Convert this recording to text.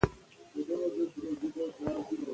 ازادي راډیو د بانکي نظام په اړه نړیوالې اړیکې تشریح کړي.